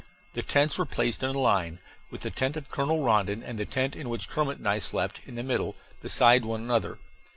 The tents were placed in a line, with the tent of Colonel Rondon and the tent in which Kermit and I slept, in the middle, beside one another.